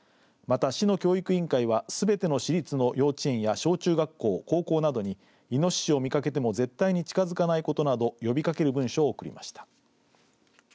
市の教育委員会はすべての市立の幼稚園や小中学校、高校などにいのししを見掛けても絶対に近づかないことなどを呼びかける文書を送りました。